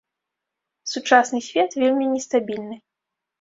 Сучасны свет вельмі нестабільны.